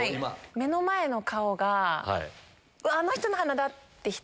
目の前の顔が、あの人の鼻だ